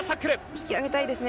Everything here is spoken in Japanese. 引き上げたいですね。